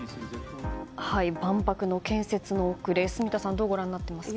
万博の建設の遅れ住田さん、どうご覧になってますか？